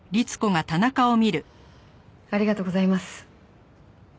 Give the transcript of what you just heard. ありがとうございます。